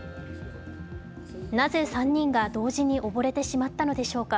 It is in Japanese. なぜ３人が同時に溺れてしまったのでしょうか。